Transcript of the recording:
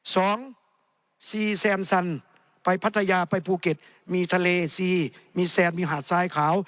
สองซีแซมสันไปพัทยาไปภูเก็ตมีทะเลซีมีแซนมีหาดทรายขาว